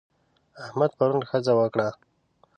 احمد پرون ښځه وکړه.